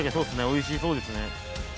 おいしそうですね